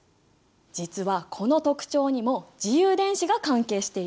実はこの特徴にも自由電子が関係しているんだ。